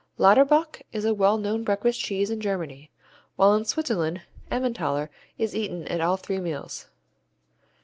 Lauterbach is a well known breakfast cheese in Germany, while in Switzerland Emmentaler is eaten at all three meals.